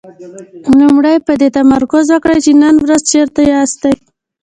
لومړی په دې تمرکز وکړئ چې نن ورځ چېرته ياستئ.